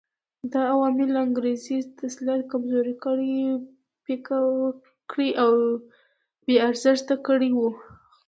دا عوامل انګریزي تسلط کمزوري کړي، پیکه کړي او بې ارزښته کړي وو.